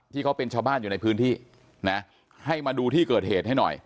ที่เขาเป็นชาวบ้านอยู่ในพื้นที่นะให้มาดูที่เกิดเหตุให้หน่อย